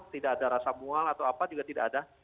tidak ada rasa mual atau apa juga tidak ada